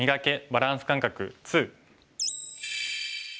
バランス感覚２」。